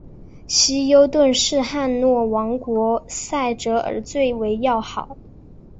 希优顿是洛汗国王塞哲尔最为要好。